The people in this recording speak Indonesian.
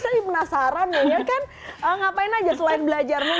saya penasaran ya kan ngapain aja selain belajar